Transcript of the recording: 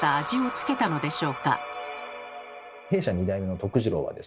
弊社２代目の治郎はですね